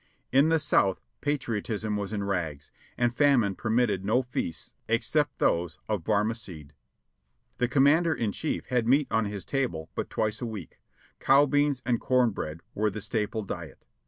In the South patriotism was in rags, and famine permitted no feasts except those of Barmacede. The Commander in Chief had meat on his table but twice a week ; cow beans and corn bread was the staple diet.